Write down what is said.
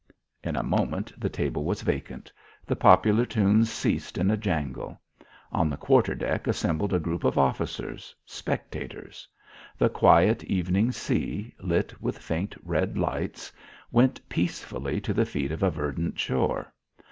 In a moment the table was vacant; the popular tune ceased in a jangle. On the quarter deck assembled a group of officers spectators. The quiet evening sea, lit with faint red lights, went peacefully to the feet of a verdant shore.